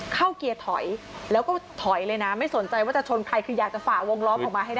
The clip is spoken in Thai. เข้าเกียร์ถอยแล้วก็ถอยเลยนะไม่สนใจว่าจะชนใครคืออยากจะฝ่าวงล้อมออกมาให้ได้